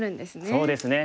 そうですね